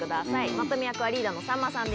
まとめ役はリーダーのさんまさんです。